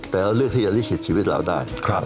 แต่เราเลือกที่จะลิขิตชีวิตเราได้